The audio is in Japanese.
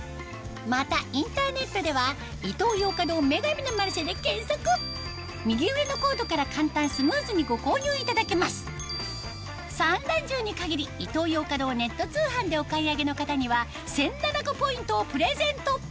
またインターネットでは右上のコードから簡単スムーズにご購入いただけます三段重に限りイトーヨーカドーネット通販でお買い上げの方には１０００ｎａｎａｃｏポイントをプレゼント